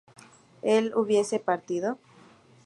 ¿él hubiese partido?